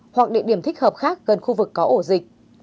hoặc địa điểm thích hợp khác gần khu vực có ổ dịch